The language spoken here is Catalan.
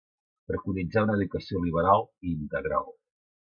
Preconitzà una educació liberal i integral.